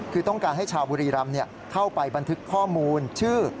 คือต้องการให้ชาวบุรีรำเข้าไปบันทึกข้อมูลชื่อ